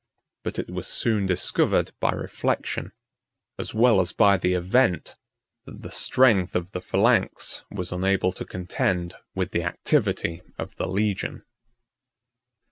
48 But it was soon discovered by reflection, as well as by the event, that the strength of the phalanx was unable to contend with the activity of the legion.